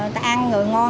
ta ăn rồi ngon